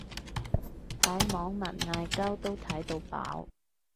睇網民嗌交都睇到飽